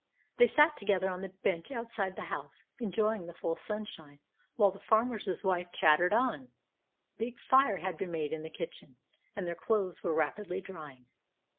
They sat together on the bench outside the house, enjoying the full sunshine, while the farmer's wife chattered on. A big fire had been made in the kitchen, and their clothes were rapidly drying.